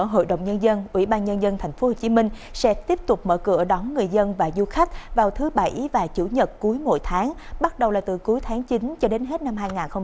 hội đồng nhân dân ủy ban nhân dân tp hcm sẽ tiếp tục mở cửa đón người dân và du khách vào thứ bảy và chủ nhật cuối mỗi tháng bắt đầu là từ cuối tháng chín cho đến hết năm hai nghìn hai mươi